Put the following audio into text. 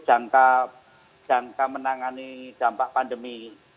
jangka menangani dampak pandemi